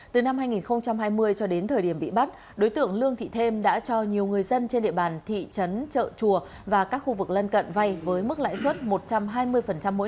từ năm hai nghìn hai mươi cho đến thời điểm bị bắt đối tượng lương thị thêm đã cho nhiều người dân trên địa bàn thị trấn chợ chùa và các khu vực lân cận vay với mức lãi suất một trăm hai mươi mỗi năm thu lợi bất chính hàng trăm triệu đồng